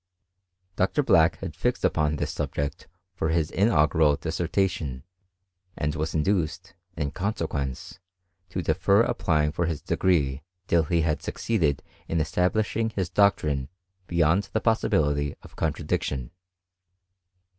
. Black had fixed upon this subject for his in •al dissertation, and was induced, in consequence, *er applying for his degree till he had succeeded ablishing his doctrine beyond the possibility of idiction.